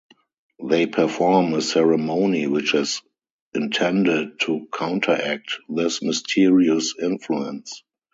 They perform a ceremony which is intended to counteract this mysterious influence.